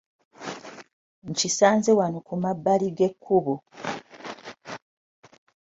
Nkisanze wano ku mabbali g'ekkubo!